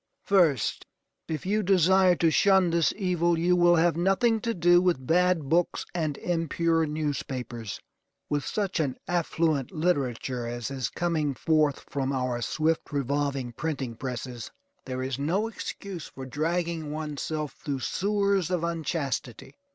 First, if you desire to shun this evil, you will have nothing to do with bad books and impure newspapers. With such an affluent literature as is coming forth from our swift revolving printing presses, there is no excuse for dragging one's self through sewers of unchastity.